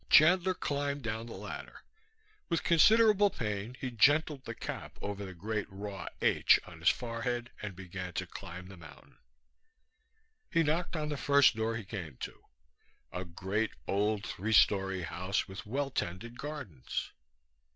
Chandler climbed down the ladder. With considerable pain he gentled the cap over the great raw H on his forehead and began to climb the mountain. He knocked on the first door he came to, a great old three story house with well tended gardens.